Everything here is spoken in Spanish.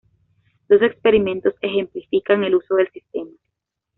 Dos experimentos ejemplifican el uso del sistema.